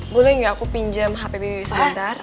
boleh gak aku pinjam hp bibi sebentar